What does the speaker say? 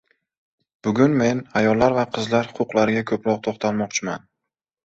Bugun men ayollar va qizlar huquqlariga ko‘proq to‘xtalmoqchiman.